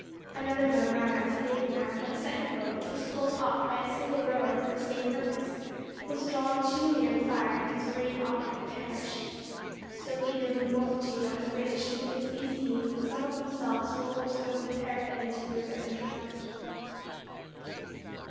Another boat ran out and saved the man, but a second boat which was pulled off by a single rower for the same purpose was drawn too near the fire, and its brave occupant perished. So eager were the multitude on the bridge to witness these scenes that some of themselves were forced over the parapet into the river and drowned.